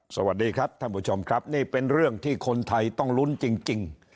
สวัสดีครับท่านผู้ชมครับนี่เป็นเรื่องที่คนไทยต้องลุ้นจริง